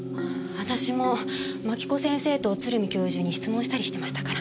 私も槙子先生と鶴見教授に質問したりしてましたから。